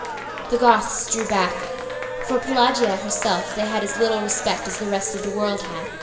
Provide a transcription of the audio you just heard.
The Goths drew back. For Pelagia herself they had as little respect as the rest of the world had.